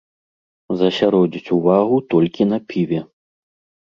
Засяродзіць увагу толькі на піве.